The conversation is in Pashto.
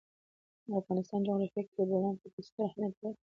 د افغانستان جغرافیه کې د بولان پټي ستر اهمیت لري.